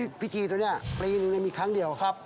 พิธีตัวนี้ปีหนึ่งมีครั้งเดียว